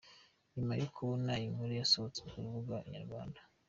Nyuma yo kubona inkuru yasohotse ku rubuga inyarwanda.